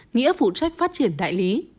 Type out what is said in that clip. nghĩa phụ trách phát triển đại lý